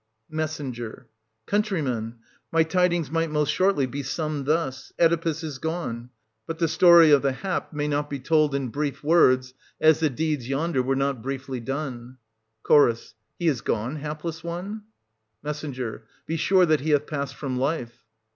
Messenger. Countrymen, my tidings might most shortly be 1580 summed thus : Oedipus is gone. But the story of the i58i— i6io] OEDIPUS AT COLONUS, 117 hap may not be told in brief words, as the deeds yonder were not briefly done. Ch. He is gone, hapless one? Me. Be sure that he hath passed from life.